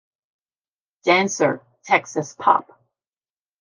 Dancer, Texas Pop.